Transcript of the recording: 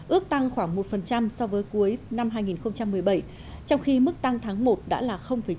ước tăng khoảng một so với cuối năm hai nghìn một mươi bảy trong khi mức tăng tháng một đã là chín